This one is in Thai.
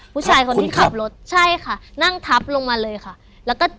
ผู้ชายคนที่ขับรถใช่ค่ะนั่งทับลงมาเลยค่ะแล้วก็